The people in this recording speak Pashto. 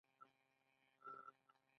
شک بد دی.